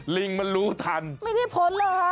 ลิงมันรู้ทันไม่ได้พ้นเหรอฮะ